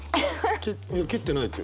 「いや切ってない」ってよ。